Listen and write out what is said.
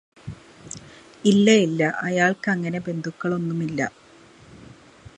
ഇല്ല ഇല്ല അയാള്ക്കങ്ങനെ ബന്ധുക്കളൊന്നുമില്ല